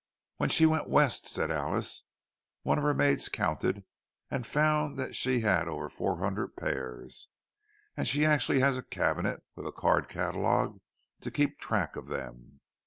"When she went West," said Alice, "one of her maids counted, and found that she had over four hundred pairs! And she actually has a cabinet with a card catalogue to keep track of them.